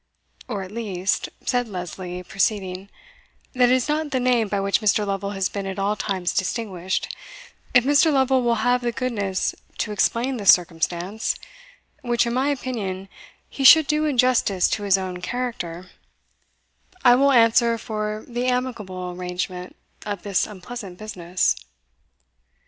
" Or at least," said Lesley, proceeding, "that it is not the name by which Mr. Lovel has been at all times distinguished if Mr. Lovel will have the goodness to explain this circumstance, which, in my opinion, he should do in justice to his own character, I will answer for the amicable arrangement of this unpleasant business."